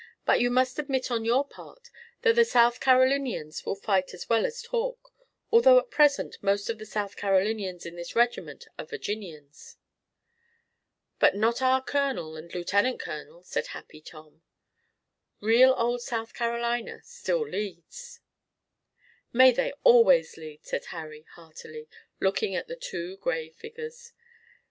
But you must admit on your part that the South Carolinians will fight as well as talk, although at present most of the South Carolinians in this regiment are Virginians." "But not our colonel and lieutenant colonel," said Happy Tom. "Real old South Carolina still leads." "May they always lead!" said Harry heartily, looking at the two gray figures.